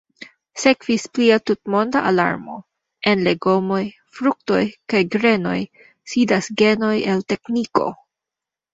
Sekvis plia tutmonda alarmo: en legomoj, fruktoj kaj grenoj sidas genoj el tekniko!